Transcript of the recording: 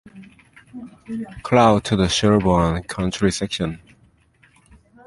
Cloud to the Sherburne County section.